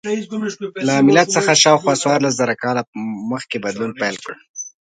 له میلاد څخه شاوخوا څوارلس زره کاله مخکې بدلون پیل کړ.